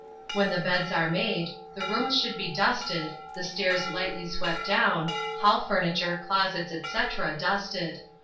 When the beds are made, the rooms should be dusted, the stairs lightly swept down, hall furniture, closets, &c., dusted.